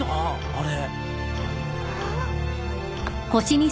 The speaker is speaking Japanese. あれ。